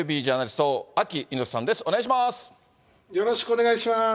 お願いします。